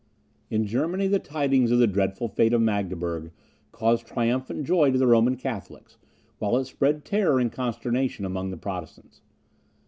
In Germany, the tidings of the dreadful fate of Magdeburg caused triumphant joy to the Roman Catholics, while it spread terror and consternation among the Protestants.